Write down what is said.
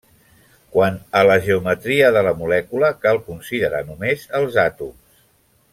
Quant a la geometria de la molècula cal considerar només els àtoms.